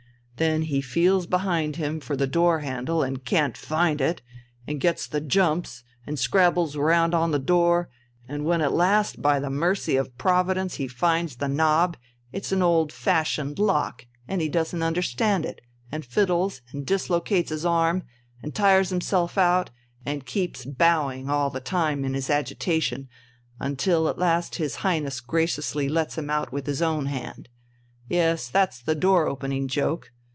And then he feels behind him for the door handle and can't find it, and gets the jumps and scrabbles around on the door, and when at last by the mercy of Providence he finds the knob it's an old fashioned lock, and he doesn't understand it and fiddles and dislocates his arm and tires himself out and keeps bowing all the time in his agitation, until at last his Highness graciously lets him out with his own hand. Yes, that's the door opening joke!